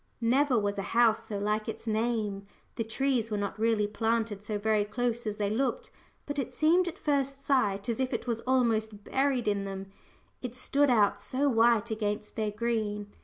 Never was a house so like its name! The trees were not really planted so very close as they looked, but it seemed at first sight as if it was almost buried in them: it stood out so white against their green.